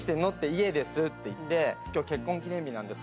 家ですって言って今日結婚記念日なんです。